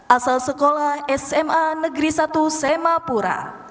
asal sekolah sma negeri satu semapura